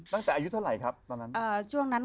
นางแต่อายุเท่าไหร่ครับตรงนั้น